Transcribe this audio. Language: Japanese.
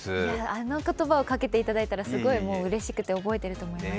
あの言葉をかけていただいたらうれしくて覚えてると思います。